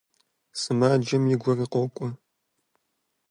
Сымаджэм и гур къокӀуэ.